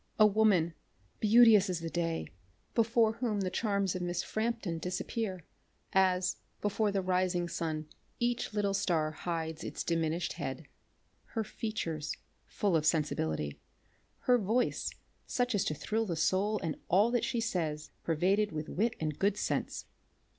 a woman, beauteous as the day, before whom the charms of Miss Frampton disappear, as, before the rising sun, each little star hides its diminish'd head. Her features, full of sensibility, her voice such as to thrill the soul and all she says, pervaded with wit and good sense."